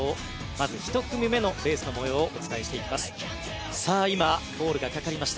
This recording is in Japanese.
まず１組目のレースの模様をお伝えしてまいります。